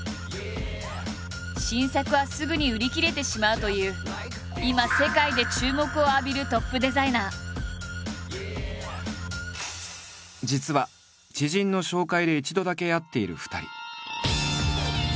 新作はすぐに売り切れてしまうという今世界で注目を浴びる実は知人の紹介で一度だけ会っている２人。